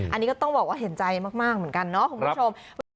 อันนี้ก็ต้องบอกว่าเห็นใจมากเหมือนกันเนาะคุณผู้ชม